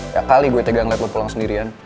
ya kali gue tegang liat lo pulang sendirian